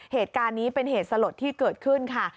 เหตุการณ์นี้เป็นเหตุสลดที่เกิดขึ้นค่ะ